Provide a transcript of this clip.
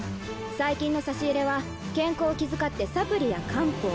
最近の差し入れは健康を気遣ってサプリや漢方。